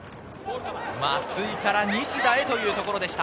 松井から西田へというところでした。